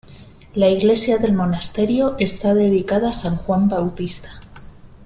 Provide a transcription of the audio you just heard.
La iglesia del monasterio está dedicada a San Juan Bautista.